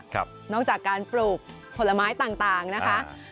นอกจากการปลูกผลไม้ต่างนะคะ